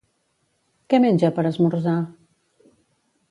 Què menja per esmorzar?